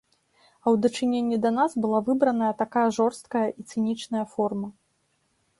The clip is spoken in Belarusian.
А ў дачыненні да нас была выбраная такая жорсткая і цынічная форма.